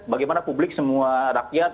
bagaimana publik semua rakyat